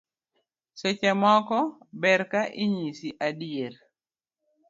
Seche moko ber ka inyisi adier